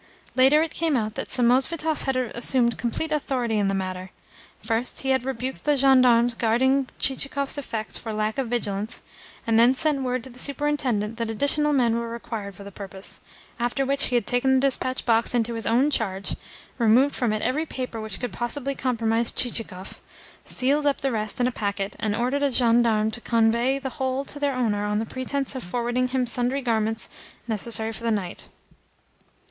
Later it came out that Samosvitov had assumed complete authority in the matter. First, he had rebuked the gendarmes guarding Chichikov's effects for lack of vigilance, and then sent word to the Superintendent that additional men were required for the purpose; after which he had taken the dispatch box into his own charge, removed from it every paper which could possibly compromise Chichikov, sealed up the rest in a packet, and ordered a gendarme to convey the whole to their owner on the pretence of forwarding him sundry garments necessary for the night.